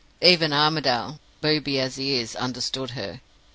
"Even Armadale, booby as he is, understood her.